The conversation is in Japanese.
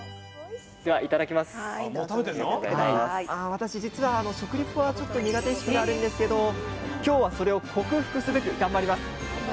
私実は食リポはちょっと苦手意識があるんですけど今日はそれを克服すべく頑張ります！